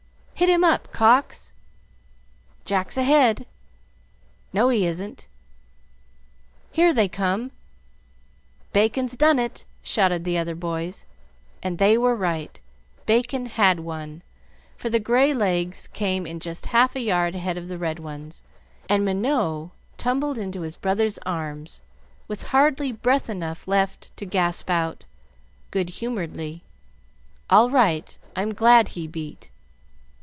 "Hit him up, Cox!" "Jack's ahead!" "No, he isn't!" "Here they come!" "Bacon's done it!" shouted the other boys, and they were right; Bacon had won, for the gray legs came in just half a yard ahead of the red ones, and Minot tumbled into his brother's arms with hardly breath enough left to gasp out, good humoredly, "All right, I'm glad he beat!"